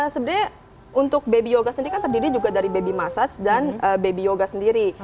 sebenarnya untuk baby yoga sendiri kan terdiri juga dari baby massage dan baby yoga sendiri